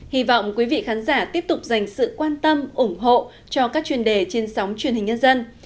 hy vọng quý vị khán giả tiếp tục dành sự quan tâm ủng hộ cho các chuyên đề trên sóng truyền hình nhân dân